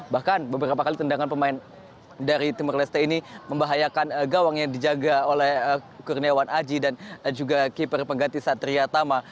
bahkan beberapa kali tendangan pemain dari timur leste ini membahayakan gawang yang dijaga oleh kurniawan aji dan juga keeper pengganti satria tama